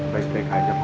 baik baik aja kok